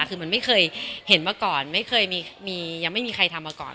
คือมันไม่เคยเห็นมาก่อนไม่เคยมียังไม่มีใครทำมาก่อน